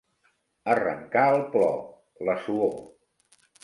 Arrencar el plor, la suor.